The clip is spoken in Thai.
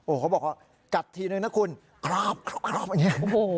โอ้เขาบอกว่ากัดทีหนึ่งนะคุณกรอบกรอบอย่างนี้